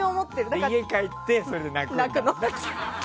家帰って、それで泣くの？